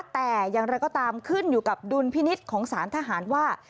แต่อย่างไรก็ตามขึ้นอยู่กับดุลพินิษฐ์ของสารทหารว่า